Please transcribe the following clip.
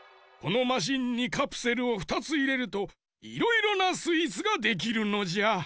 このマシンにカプセルを２ついれるといろいろなスイーツができるのじゃ。